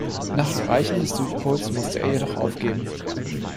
Nach Erreichen des Südpols musste er jedoch aufgeben.